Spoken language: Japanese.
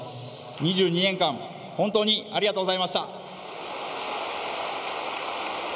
２２年間、本当にありがとうございました。